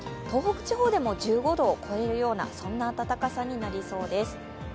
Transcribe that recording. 東北地方でも１５度を超えるような暖かさになりそうです。